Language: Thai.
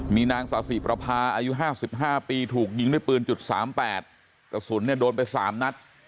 มีนางสาธิปราภาอายุห้าสิบห้าปีถูกยิงด้วยปืนจุดสามแปดกระสุนเนี่ยโดนไปสามนัด